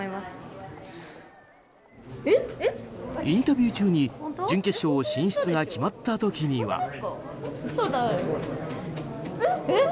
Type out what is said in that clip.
インタビュー中に準決勝進出が決まった時には。